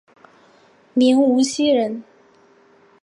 明无锡人。